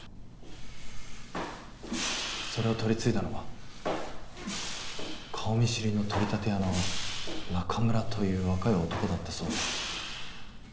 それを取り次いだのは顔見知りの取り立て屋の中村という若い男だったそうで。